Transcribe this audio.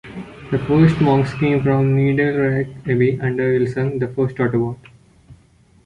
The first monks came from Niederaltaich Abbey under Ilsung, the first abbot.